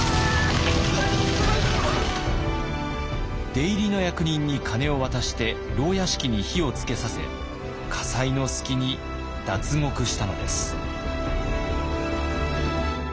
出入りの役人に金を渡して牢屋敷に火をつけさせ火災の隙に脱獄したのです。